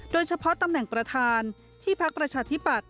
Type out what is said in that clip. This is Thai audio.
ตำแหน่งประธานที่พักประชาธิปัตย